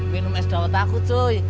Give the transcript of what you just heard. minum es dawet aku cuy